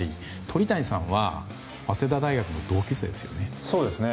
鳥谷さんは早稲田大学の同級生ですよね。